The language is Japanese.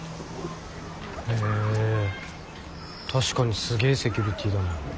へえ確かにすげえセキュリティーだな。